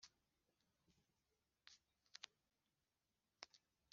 Nta muntu tuzi mu buryo bw umubiri